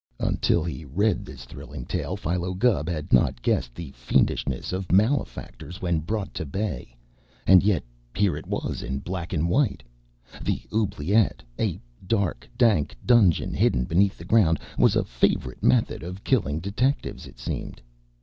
Until he read this thrilling tale, Philo Gubb had not guessed the fiendishness of malefactors when brought to bay, and yet here it was in black and white. The oubliette a dark, dank dungeon hidden beneath the ground was a favorite method of killing detectives, it seemed.